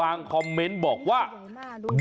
ที่นี่มันเสาครับ